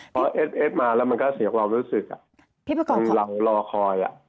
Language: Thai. เพราะเอ็ดมาแล้วมันก็เสียความรู้สึกคนเรารอคอย